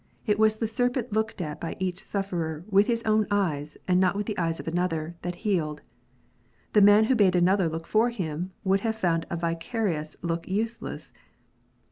It was the serpent looked at by each sufferer with his own eyes, and not with the eyes of another, that healed. The man who bade another look for him, would have found a vicarious look useless.